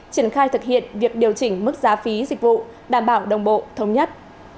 triển khai thực hiện việc điều chỉnh mức giá phí dịch vụ đảm bảo đồng bộ thống nhất